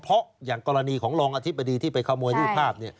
เพราะอย่างกรณีของรองอธิบดีที่ไปขโมยรูปภาพ